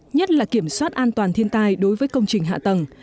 nhất là kiểm soát an toàn thiên tai đối với công trình hạ tầng